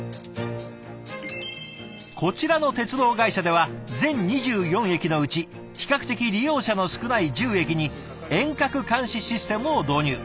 こちらの鉄道会社では全２４駅のうち比較的利用者の少ない１０駅に遠隔監視システムを導入。